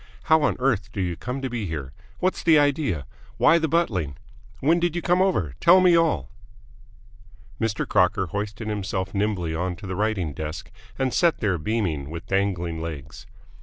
How on earth do you come to be here? What's the idea? Why the buttling? When did you come over? Tell me all!" Mr. Crocker hoisted himself nimbly onto the writing desk, and sat there, beaming, with dangling legs.